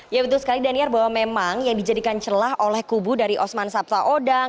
ya betul sekali daniar bahwa memang yang dijadikan celah oleh kubu dari osman sabta odang